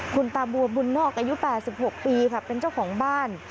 คุณตาบัวบุญนอกอายุ๘๖ปีค่ะเป็นเจ้าของบ้าน